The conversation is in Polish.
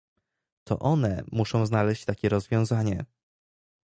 To one muszą znaleźć takie rozwiązanie